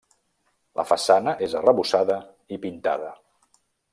La façana és arrebossada i pintada.